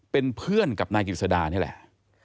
เป็นเพื่อนกับนายกิจสดานี่แหละ